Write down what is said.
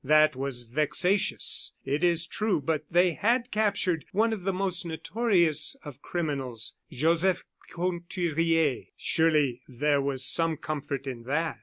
That was vexatious, it is true; but they had captured one of the most notorious of criminals Joseph Conturier. Surely there was some comfort in that.